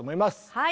はい。